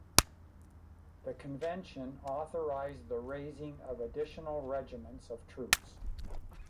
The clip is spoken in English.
The Convention authorized the raising of additional regiments of troops.